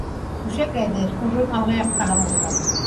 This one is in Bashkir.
Түшәк әҙер, урын алғы яҡҡа һалынған